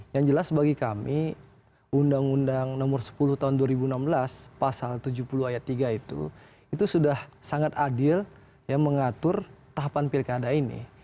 yang jelas bagi kami undang undang nomor sepuluh tahun dua ribu enam belas pasal tujuh puluh ayat tiga itu itu sudah sangat adil mengatur tahapan pilkada ini